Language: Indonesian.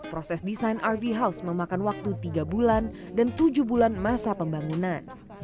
proses desain rv house memakan waktu tiga bulan dan tujuh bulan masa pembangunan